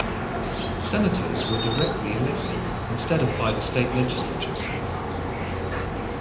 Senators were directly elected instead of by the state legislatures.